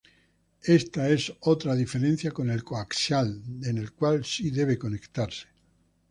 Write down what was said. Esta es otra diferencia con el coaxial, en el cual sí debe conectarse.